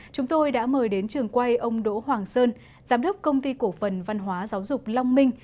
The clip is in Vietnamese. chúng tôi đã mời đến trường quay ông đỗ hoàng sơn giám đốc công ty cổ phần văn hóa giáo dục long minh